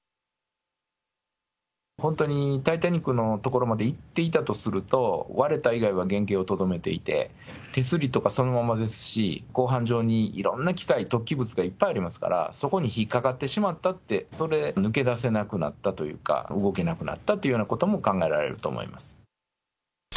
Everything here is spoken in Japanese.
本当にタイタニックのところまで行っていたとすると、割れた以外は原形をとどめていて、手すりとかそのままですし、甲板上にいろんな機械、突起物がいっぱいありますから、そこに引っかかってしまったって、それで抜け出せなくなったというか、動けなくなったというようなことも考えられると思います。